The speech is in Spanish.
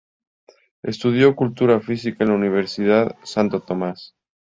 Estudió Cultura Física en la Universidad Santo Tomás.